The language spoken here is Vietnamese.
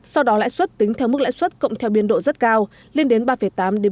sau đó lãi suất tính theo mức lãi suất cộng theo biên độ rất cao lên đến ba tám đến bốn năm